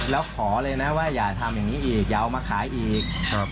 แล้วขอเลยนะว่าอย่าทำอย่างนี้อีกอย่าเอามาขายอีก